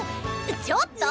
ちょっと！